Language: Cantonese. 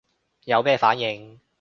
有咩反應